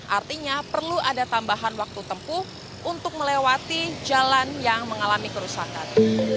artinya perlu ada tambahan waktu tempuh untuk melewati jalan yang mengalami kerusakan